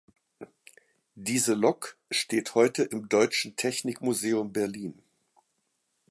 Diese Lok steht heute im Deutschen Technikmuseum Berlin.